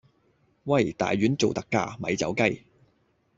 喂！大丸做特價，咪走雞